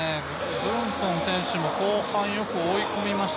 ブーンソン選手も、後半よく追い込みました。